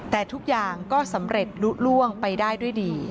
แต่ทุกอย่างก็สำเร็จลุล่วงไปได้ด้วยดี